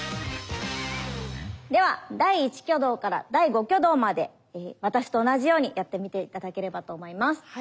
では第１挙動から第５挙動まで私と同じようにやってみて頂ければと思います。